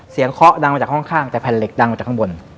เคาะดังมาจากห้องข้างแต่แผ่นเหล็กดังมาจากข้างบน